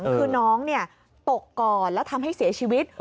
คือน้องตกก่อนแล้วทำให้เสียชีวิต